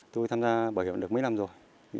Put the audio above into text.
tôi tham gia bảo hiểm được mấy năm rồi